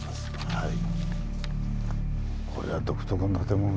はい。